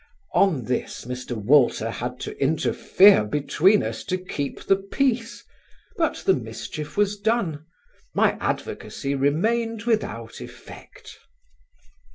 On this Mr. Walter had to interfere between us to keep the peace, but the mischief was done: my advocacy remained without effect.